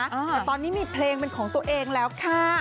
แต่ตอนนี้มีเพลงเป็นของตัวเองแล้วค่ะ